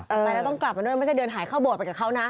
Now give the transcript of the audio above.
ไปแล้วต้องกลับมาด้วยไม่ใช่เดินหายเข้าโบสถไปกับเขานะ